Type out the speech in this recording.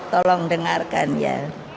tolong dengarkan ya